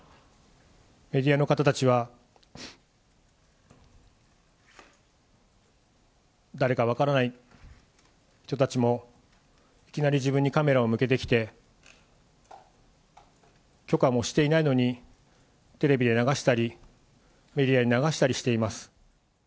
メディアの方たちは、誰か分からない人たちも、いきなり自分にカメラを向けてきて、許可もしていないのに、テレビで流したり、メディアに流したりしています。